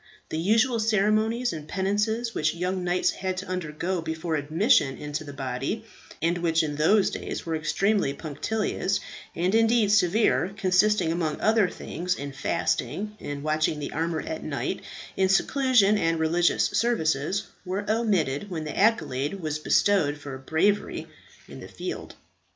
The usual ceremonies and penances which young knights had to undergo before admission into the body and which in those days were extremely punctilious, and indeed severe, consisting, among other things, in fasting, in watching the armour at night, in seclusion and religious services were omitted when the accolade was bestowed for bravery in the field.